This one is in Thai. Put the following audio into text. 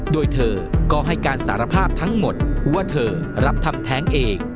โดยเธอก็ให้การสารภาพทั้งหมดว่าเธอรับทำแท้งเอง